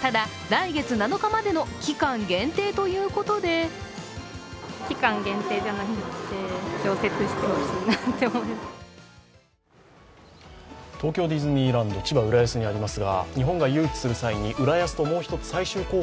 ただ、来月７日までの期間限定ということで東京ディズニーランド、千葉・浦安にありますが日本が誘致する際に、浦安ともう１つ最終候補に